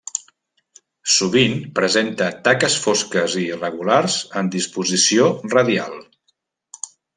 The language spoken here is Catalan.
Sovint presenta taques fosques i irregulars en disposició radial.